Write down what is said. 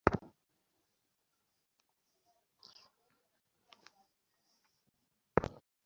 আইনের ফাঁকফোকর গলে বেরিয়ে যাচ্ছে তারা।